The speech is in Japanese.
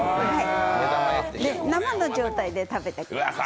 生の状態で食べてください。